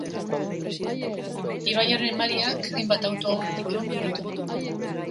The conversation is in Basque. Ibaiaren emariak hainbat auto aurretik eraman ditu.